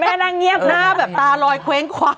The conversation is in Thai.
นั่งเงียบหน้าแบบตาลอยเคว้งคว้าง